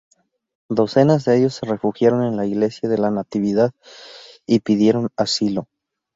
Docenas de ellos se refugiaron en la Iglesia de la Natividad y pidieron asilo.